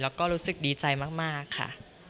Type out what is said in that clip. แล้วก็รู้สึกดีใจมากค่ะ